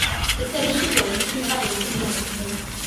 They play a major role in keeping a balance in the animal kingdom.